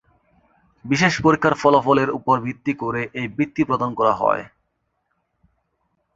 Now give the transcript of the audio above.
বিশেষ পরীক্ষার ফলাফলের উপর ভিত্তি করে এই বৃত্তি প্রদান করা হবে।